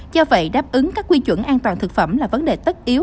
do vậy đáp ứng các quy chuẩn an toàn thực phẩm là vấn đề tất yếu